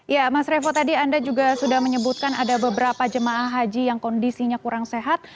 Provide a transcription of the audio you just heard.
ya mas revo tadi anda juga sudah menyebutkan ada beberapa jemaah haji yang kondisinya kurang sehat